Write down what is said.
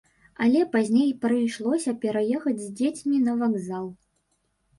Але пазней прыйшлося пераехаць з дзецьмі на вакзал.